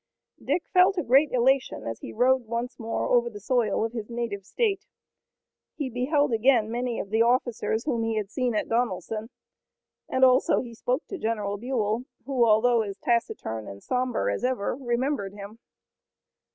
Dick felt a great elation as he rode once more over the soil of his native state. He beheld again many of the officers whom he had seen at Donelson, and also he spoke to General Buell, who although as taciturn and somber as ever, remembered him.